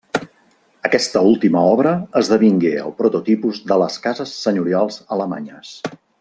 Aquesta última obra esdevingué el prototipus de les cases senyorials alemanyes.